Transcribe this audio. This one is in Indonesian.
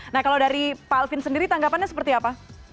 nah kalau dari pak alvin sendiri tanggapannya seperti apa